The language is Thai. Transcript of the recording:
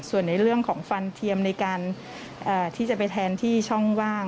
ส่วนในเรื่องของฟันเทียมในการที่จะไปแทนที่ช่องว่าง